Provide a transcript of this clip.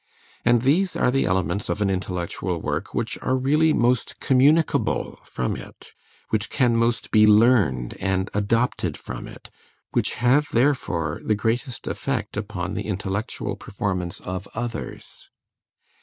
And these are the elements of an intellectual work which are really most communicable from it, which can most be learned and adopted from it, which have therefore the greatest effect upon the intellectual performance of others.